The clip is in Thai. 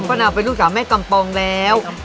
ปะเนาเป็นลูกสาวแม่กัมปองแล้ว